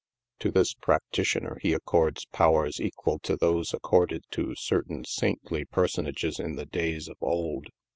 To this practitioner he accords powers equal to those accorded to certain saintly personages in the days of old.